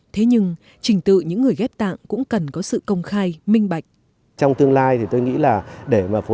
thế nhưng trình tự những người ghép tạng cũng cần có sự công khai minh bạch